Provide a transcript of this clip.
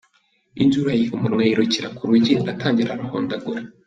Induru ayiha umunwa, yirukira ku rugi aratangira arahondagura.